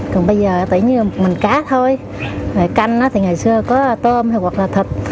còn bây giờ tự nhiên mình cá thôi canh thì ngày xưa có tôm hoặc là thịt